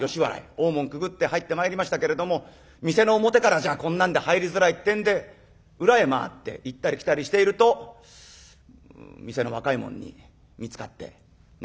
大門くぐって入ってまいりましたけれども店の表からじゃあこんなんで入りづらいってんで裏へ回って行ったり来たりしていると店の若い者に見つかって中へ入ってまいりまして。